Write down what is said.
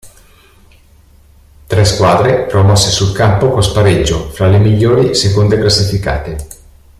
Tre squadre promosse sul campo con spareggio fra le migliori seconde classificate.